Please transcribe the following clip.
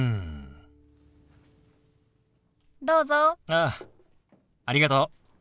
ああありがとう。